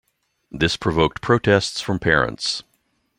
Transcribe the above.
This provoked protests from parents.